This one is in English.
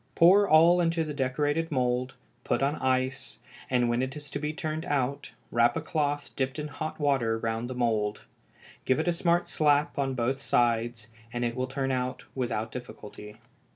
Pour all into the decorated mould, put on ice, and when it is to be turned out wrap a cloth dipped in hot water round the mould; give it a smart slap on both sides, and it will turn out without difficulty.